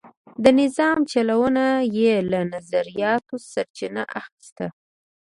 د نظام چلونه یې له نظریاتو سرچینه اخیسته.